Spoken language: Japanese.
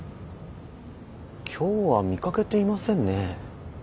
今日は見かけていませんね。